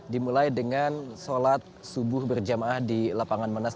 dimulai dengan sholat subuh berjamaah di lapangan monas